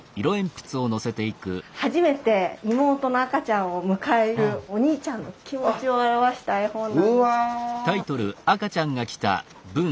初めて妹の赤ちゃんを迎えるお兄ちゃんの気持ちを表した絵本なんです。